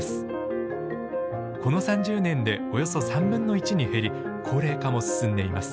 この３０年でおよそ３分の１に減り高齢化も進んでいます。